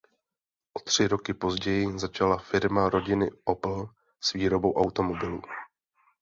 O tři roky později začala firma rodiny Opel s výrobou automobilů.